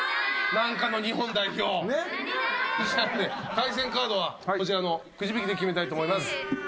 対戦カードはこちらのくじ引きで決めたいと思います。